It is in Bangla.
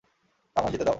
আমায় যেতে দাও!